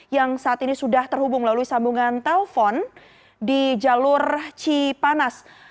yang saat ini sudah terhubung melalui sambungan telpon di jalur cipanas